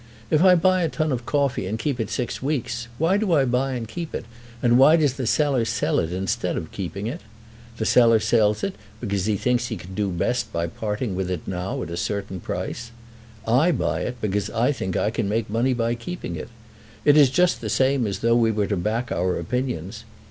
"If I buy a ton of coffee and keep it six weeks, why do I buy it and keep it, and why does the seller sell it instead of keeping it? The seller sells it because he thinks he can do best by parting with it now at a certain price. I buy it because I think I can make money by keeping it. It is just the same as though we were to back our opinions.